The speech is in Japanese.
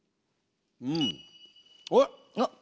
うん。おっ！